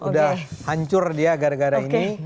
udah hancur dia gara gara ini